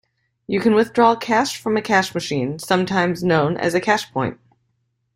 You can withdraw cash from a cash machine, sometimes known as a cashpoint